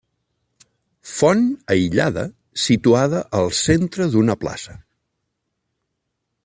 Font aïllada situada al centre d'una plaça.